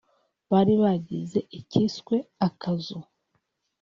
bari bagize ikiswe “Akazu”